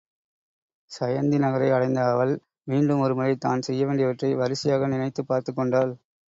சயந்தி நகரை அடைந்த அவள், மீண்டும் ஒருமுறை தான் செய்ய வேண்டியவற்றை வரிசையாக நினைத்துப் பார்த்துக் கொண்டாள்.